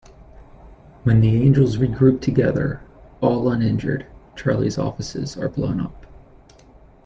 When the Angels regroup together, all uninjured, Charlie's offices are blown up.